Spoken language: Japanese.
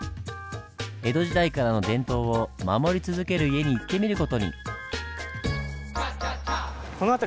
江戸時代からの伝統を守り続ける家に行ってみる事に。